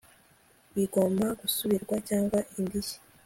bigomba gusubizwa cyangwa indishyi